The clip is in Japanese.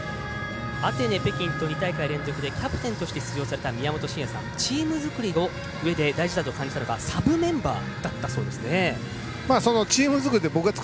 アテネ、北京と２大会連続でキャプテンとして出場された宮本慎也さんチーム作りのうえで大切なのはサブメンバーだったそうですね。